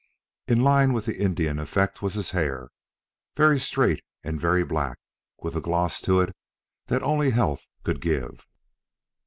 In line with the Indian effect was his hair, very straight and very black, with a gloss to it that only health could give.